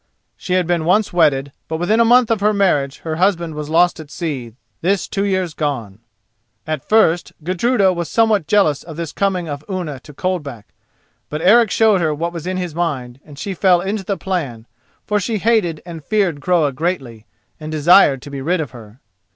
She had been once wedded, but within a month of her marriage her husband was lost at sea, this two years gone. At first Gudruda was somewhat jealous of this coming of Unna to Coldback; but Eric showed her what was in his mind, and she fell into the plan, for she hated and feared Groa greatly, and desired to be rid of her.